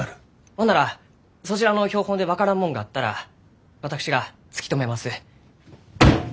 ほんならそちらの標本で分からんもんがあったら私が突き止めます。